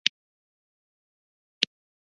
مصنوعي ځیرکتیا د فلسفي فکر نوی افق پرانیزي.